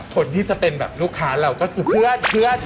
คนที่จะเป็นแบบลูกค้าเราก็คือเพื่อน